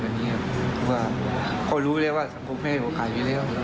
เขารู้แล้วว่าสังคมไม่ได้ขายวีดีโอ